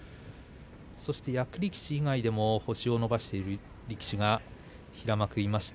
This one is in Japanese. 役力士以外でも星を伸ばしている力士が平幕にいます。